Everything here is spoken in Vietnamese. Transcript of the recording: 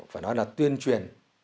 phải nói là tuyên truyền